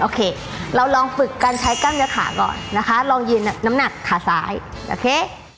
โอเคเราลองฝึกการใช้กล้ามเนื้อขาก่อนนะคะลองยืนน้ำหนักขาซ้ายโอเค